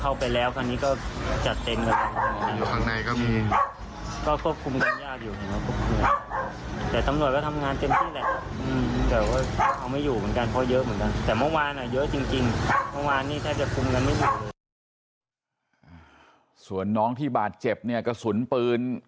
เมื่อวานนี่แทบจะฟุ้มกันไม่อยู่เลยส่วนน้องที่บาดเจ็บเนี่ยกระสุนปืน